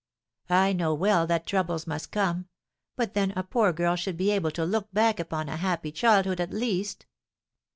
I know well that troubles must come; but then a poor girl should be able to look back upon a happy childhood, at least!